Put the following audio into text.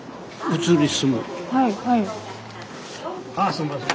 すいません。